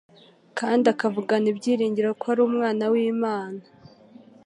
kandi akavugana ibyiringiro ko ari Umwana w'Imana.